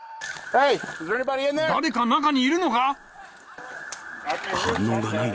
誰か中にいるのか？